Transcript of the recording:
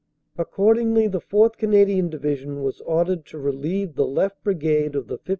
Accordingly, the 4th. Canadian Division was ordered to relieve the left Brigade of the 51st.